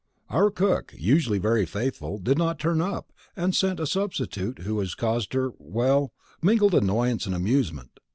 Our cook, usually very faithful, did not turn up, and sent a substitute who has caused her well, mingled annoyance and amusement.